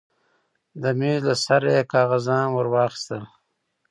د مېز له سره يې کاغذان ورواخيستل.